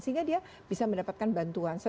sehingga dia bisa mendapatkan bantuan